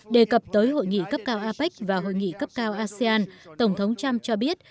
đề cập tới hội nghị cấp cao apec và hội nghị cấp cao asean tổng thống trump cho biết